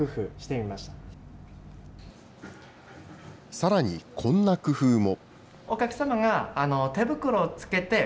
さらにこんな工夫も。